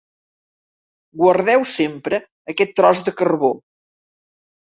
«Guardeu sempre aquest tros de carbó.